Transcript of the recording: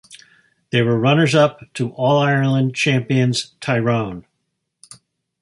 They were runners-up to All-Ireland champions Tyrone.